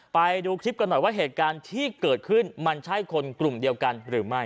ไปดูคลิปกันหน่อยว่าเหตุการณ์ที่เกิดขึ้นมันใช่คนกลุ่มเดียวกันหรือไม่